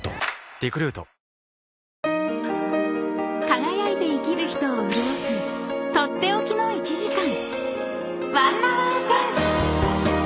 ［輝いて生きる人を潤す取って置きの１時間］